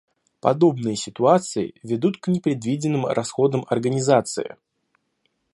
Подобные ситуации ведут к непредвиденным расходам организации